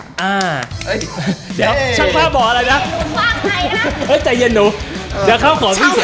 เดี๋ยวช่างภาพบอกหน่อยว่า